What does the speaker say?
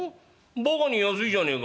バカに安いじゃねえか。